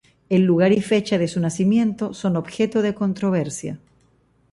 El lugar y fecha de su nacimiento son objeto de controversia.